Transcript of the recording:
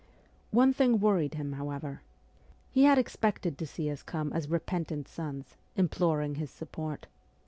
One thing worried him, however. He had expected to see us come as repentant sons, imploring his support.